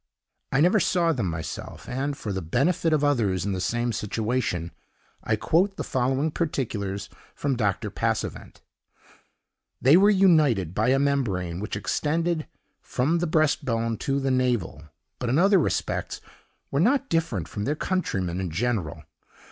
I never saw them myself; and, for the benefit of others in the same situation, I quote the following particulars from Dr. Passavent: "They were united by a membrane which extended from the breast bone to the navel; but, in other respects, were not different from their countrymen in general.